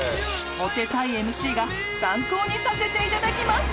［モテたいＭＣが参考にさせていただきます］